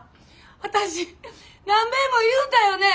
私何べんも言うたよね